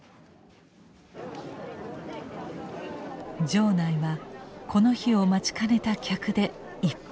場内はこの日を待ちかねた客でいっぱいです。